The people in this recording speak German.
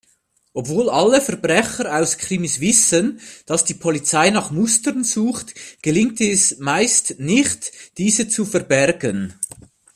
Obwohl alle Verbrecher aus Krimis wissen, dass die Polizei nach Mustern sucht, gelingt es meist nicht, diese zu verbergen.